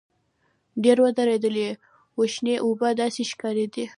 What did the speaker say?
ډېر وېردلي وو شنې اوبه داسې ښکارېدې.